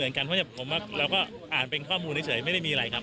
อืมได้แกร่งที่สุด